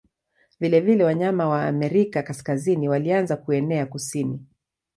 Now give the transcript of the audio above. Vilevile wanyama wa Amerika Kaskazini walianza kuenea kusini.